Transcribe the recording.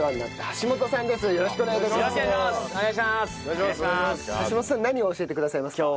橋本さん何を教えてくださいますか？